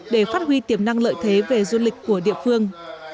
để phát huy tiềm năng lợi thế về du lịch của địa phương